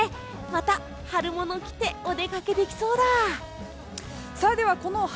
また春物着てお出かけできそうだ！